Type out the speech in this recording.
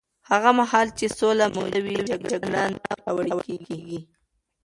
هغه مهال چې سوله موجوده وي، جګړه نه پیاوړې کېږي.